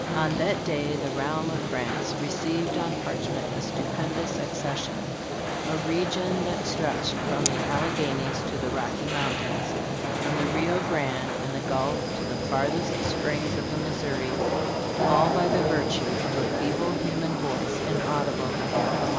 "On that day the realm of France received on parchment a stupendous accession " a region that stretched from the Alleghenies to the Rocky Mountains, from the Rio Grande and fhe Gulf to the farthest springs of the Missouri, "all by the virtue of a feeble human voice, inaudible at half a mile."